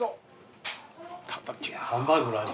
ハンバーグの味